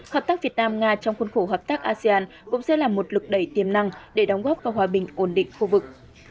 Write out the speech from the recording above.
hợp tác việt nam nga trong khuôn khổ hợp tác asean cũng sẽ là một lực đầy tiềm năng để đóng góp vào hòa bình ổn định khu vực